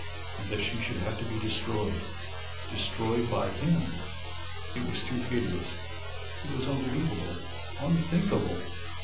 And that she should have to be destroyed destroyed by him! It was too hideous: it was unbelievable, unthinkable!